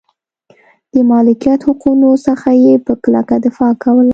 د مالکیت حقونو څخه یې په کلکه دفاع کوله.